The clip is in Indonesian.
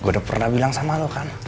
gue udah pernah bilang sama lo kan